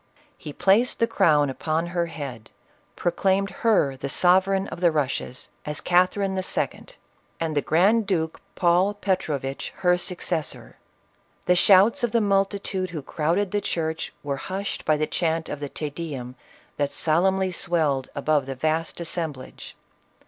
He placed the crown upon her head, proclaimed her the sovereign of the Russias, as Catherine II. and the grand duke Paul CATHERINE OF RUSSIA i"5 Petrovitch her successor. The shouts of the multitude who crowded the church were hushed by the chant of the Te Deum that solemnly swelled above the vast as semblage.